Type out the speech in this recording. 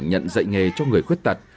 nhận dạy nghề cho người khuyết tật